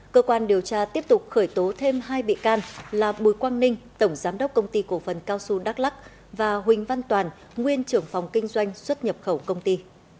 cơ quan điều tra tiếp tục khởi tố thêm hai bị can là bùi quang ninh tổng giám đốc công ty cổ phần cao xu đắk lắc và huỳnh văn toàn nguyên trưởng phòng kinh doanh xuất nhập khẩu công ty